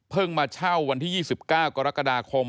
มาเช่าวันที่๒๙กรกฎาคม